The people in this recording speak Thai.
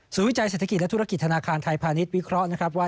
วิจัยเศรษฐกิจและธุรกิจธนาคารไทยพาณิชย์วิเคราะห์นะครับว่า